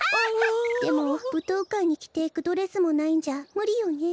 でもぶとうかいにきていくドレスもないんじゃむりよね。